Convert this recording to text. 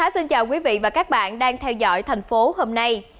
xin chào quý vị và các bạn đang theo dõi thành phố hôm nay